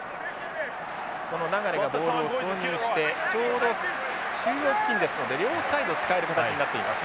この流がボールを投入してちょうど中央付近ですので両サイド使える形になっています。